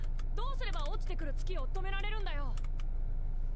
どうすれば落ちてくる月を止められるんだよ！？